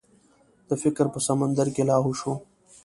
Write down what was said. د فکر په سمندر کې لاهو شو.